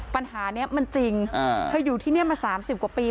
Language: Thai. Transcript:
ปัญหานี้มันจริงอ่าเขาอยู่ที่นี่มาสามสิบกว่าปี